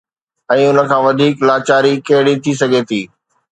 ۽ ان کان وڌيڪ لاچاري ڪهڙي ٿي سگهي ٿي؟